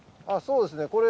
そうですね。